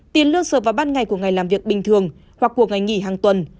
tiền lương sợ vào ban ngày của ngày làm việc bình thường hoặc của ngày nghỉ hàng tuần